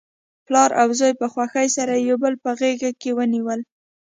پلار او زوی په خوښۍ سره یو بل په غیږ کې ونیول.